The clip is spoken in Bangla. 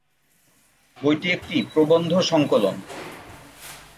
বইটি একটি প্রবন্ধ সংকলন।